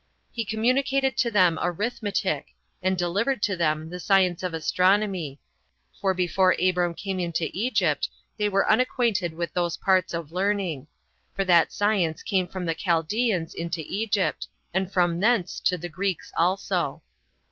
He communicated to them arithmetic, and delivered to them the science of astronomy; for before Abram came into Egypt they were unacquainted with those parts of learning; for that science came from the Chaldeans into Egypt, and from thence to the Greeks also.